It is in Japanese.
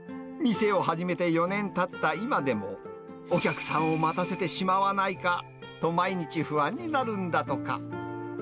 店を始めて４年たった今でも、お客さんを待たせてしまわないかと、毎日、不安になるんだとか。